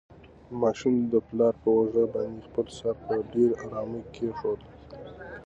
ماشوم د پلار په اوږه باندې خپل سر په ډېرې ارامۍ کېښود.